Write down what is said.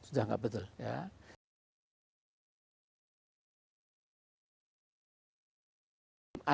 apa yang anda inginkan untuk melakukan